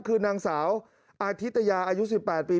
คือนางสาวอาทิตยาอายุสิบแปดปี